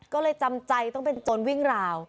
ก็เลยจำใจต้องเป็นตนวิ่งราว